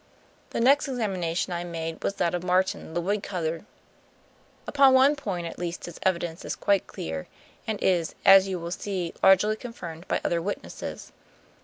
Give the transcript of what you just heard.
"The next examination I made was that of Martin, the woodcutter. Upon one point at least his evidence is quite clear, and is, as you will see, largely confirmed by other witnesses.